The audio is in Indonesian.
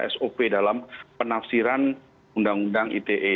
sop dalam penafsiran undang undang ite